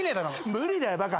無理だよバカ。